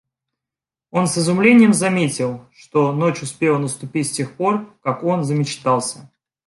Он с изумлением заметил, что ночь успела наступить с тех пор, как он замечтался.